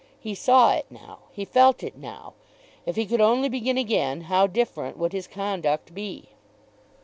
He saw it now. He felt it now. If he could only begin again, how different would his conduct be!